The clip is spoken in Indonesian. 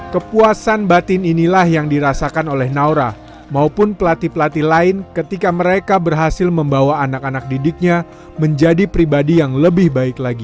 kepuasan batin inilah yang dirasakan oleh naura maupun pelatih pelatih lain ketika mereka berhasil membawa anak anak didiknya menjadi pribadi yang lebih baik lagi